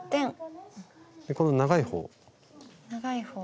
この長い方。